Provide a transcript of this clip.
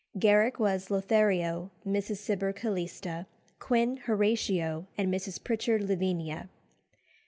Garrick was Lothario, Mrs. Cibber Calista, Quin Horatio, and Mrs. Pritchard Lavinia.